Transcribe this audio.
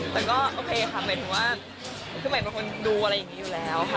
แต่ก็โอเคค่ะหมายถึงว่าคือหมายเป็นคนดูอะไรอย่างนี้อยู่แล้วค่ะ